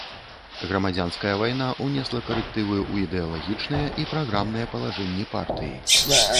Грамадзянская вайна ўнесла карэктывы ў ідэалагічныя і праграмныя палажэнні партыі.